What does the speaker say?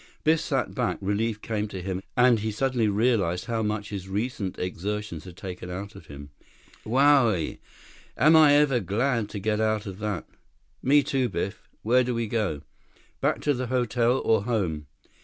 Biff sat back. Relief came to him, and he suddenly realized how much his recent exertions had taken out of him. "Wowie! Am I ever glad to get out of that." "Me, too, Biff. Where do we go? Back to the hotel, or home?"